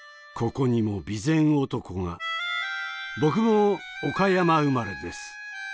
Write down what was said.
ここにも備前男が僕も岡山生まれです。